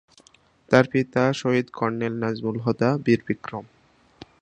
তার পিতা শহীদ কর্নেল খন্দকার নাজমুল হুদা বীর বিক্রম।